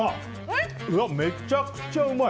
うわ、めちゃくちゃうまい。